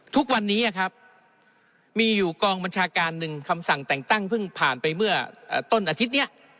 ทุกวันนี้ครับมีอยู่กองบัญชาการหนึ่งคำสั่งแต่งตั้งเพิ่งผ่านไปเมื่อต้นอาทิตย์นี้